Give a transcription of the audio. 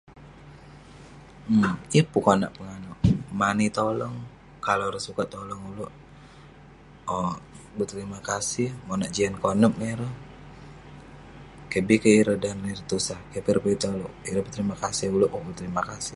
Yeng pun konak peganuk yeng pun tolong oluek owk berterima kasih ngan jian konep ngan ireh keh bi keh ireh tusah ireh terima kasih oluek oluek terima kasih.